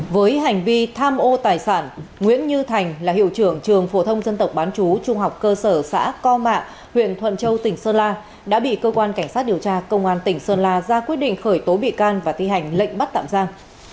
với hành vi tham ô tài sản nguyễn như thành là hiệu trưởng trường phổ thông dân tộc bán chú trung học cơ sở xã co mạ huyện thuận châu tỉnh sơn la đã bị cơ quan cảnh sát điều tra công an tỉnh sơn la ra quyết định khởi tố bị can và thi hành lệnh bắt tạm giam